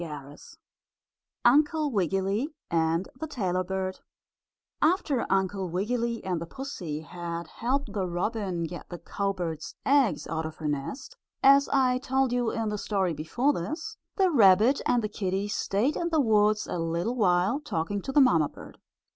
STORY XXXI UNCLE WIGGILY AND THE TAILOR BIRD After Uncle Wiggily and the pussy had helped the robin get the cowbird's eggs out of her nest, as I told you in the story before this, the rabbit and the kittie stayed in the woods a little while talking to the mamma bird.